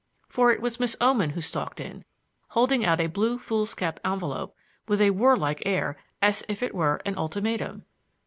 For it was Miss Oman who stalked in, holding out a blue foolscap envelope with a warlike air as if it were an ultimatum.